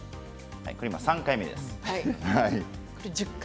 ３回目です。